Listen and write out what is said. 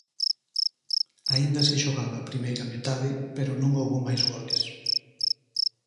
Aínda se xogaba a primeira metade, pero non houbo máis goles.